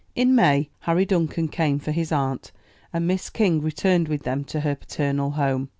In May, Harry Duncan came for his aunt, and Miss King returned with them to her paternal home.